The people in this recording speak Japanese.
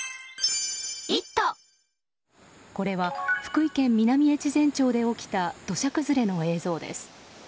これは福井県南越前町で起きた土砂崩れの映像です。